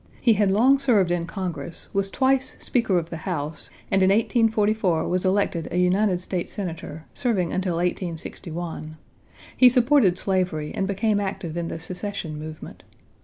He had long served in Congress, was twice speaker of the House, and in 1844 was elected a United States Senator, serving until 1861. He supported slavery and became active in the secession movement.